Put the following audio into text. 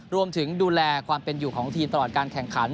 ดูแลความเป็นอยู่ของทีมตลอดการแข่งขัน